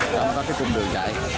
đảm bảo cùng đường chạy